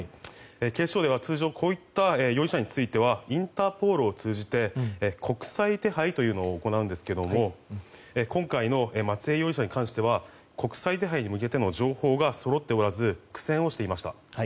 警視庁では通常こういった容疑者についてはインターポールを通じて国際手配を行うんですが今回の松江容疑者に関しては国際手配に向けての情報がそろっておらず苦戦をしていました。